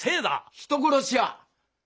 人殺しや！